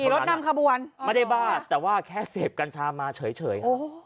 ขี่รถนำขบวนอ๋ออ๋อไม่ได้บ้าแต่ว่าแค่เสพกัญชามันเฉย